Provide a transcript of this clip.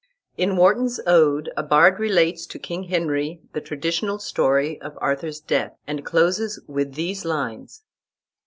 In Warton's "Ode" a bard relates to King Henry the traditional story of Arthur's death, and closes with these lines.